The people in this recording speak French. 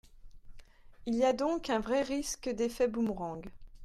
Il y a donc un vrai risque d’effet boomerang.